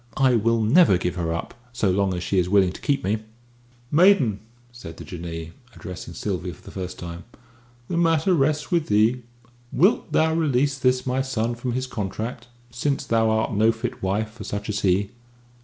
I will never give her up, so long as she is willing to keep me." "Maiden," said the Jinnee, addressing Sylvia for the first time, "the matter rests with thee. Wilt thou release this my son from his contract, since thou art no fit wife for such as he?"